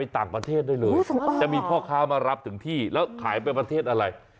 ถ้ามีพ่อค้ามารับถึงที่แล้วขายไปประเทศอะไร